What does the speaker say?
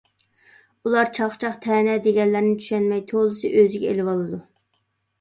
ئۇلار چاقچاق، تەنە دېگەنلەرنى چۈشەنمەي تولىسى ئۆزىگە ئېلىۋالىدۇ.